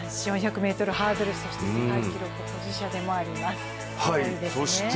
男子４００ｍハードルそして世界記録保持者でもありますすごいですね。